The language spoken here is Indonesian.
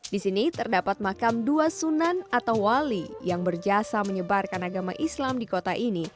di sini terdapat makam dua sunan atau wali yang berjasa menyebarkan agama islam di kota ini